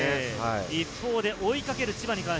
一方で追いかける千葉。